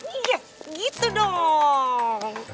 iya gitu dong